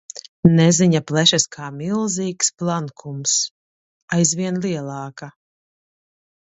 Neziņa plešas kā milzīgs plankums, aizvien lielāka.